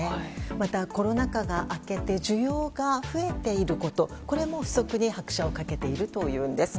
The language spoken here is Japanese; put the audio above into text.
また、コロナ禍が明けて需要が増えていることこれも不足に拍車を掛けているというんです。